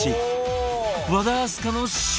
和田明日香の勝利